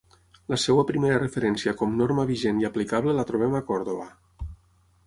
La seva primera referència com norma vigent i aplicable la trobem a Còrdova.